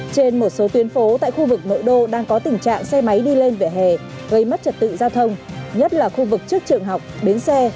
trên một số tuyến phố tại khu vực nội đô đang có tình trạng xe máy đi lên vỉa hè gây mất trật tự giao thông nhất là khu vực trước trường học bến xe